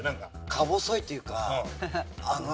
か細いっていうか。